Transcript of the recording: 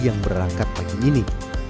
yang berangkat pagi ini